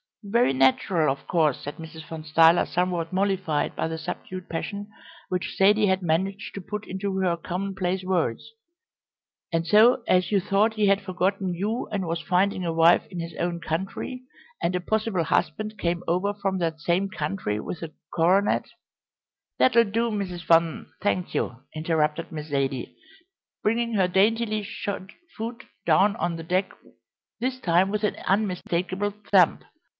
"Very natural, of course," said Mrs. Van Stuyler, somewhat mollified by the subdued passion which Zaidie had managed to put into her commonplace words; "and so as you thought he had forgotten you and was finding a wife in his own country, and a possible husband came over from that same country with a coronet " "That'll do, Mrs. Van, thank you," interrupted Miss Zaidie, bringing her daintily shod foot down on the deck this time with an unmistakable stamp.